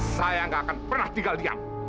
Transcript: saya gak akan pernah tinggal diam